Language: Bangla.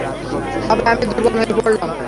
তবে আমি দুর্বল হয়ে পরলাম।